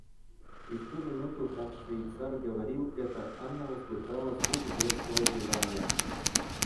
И в ту минуту, как швейцар говорил это, Анна услыхала звук детского зеванья.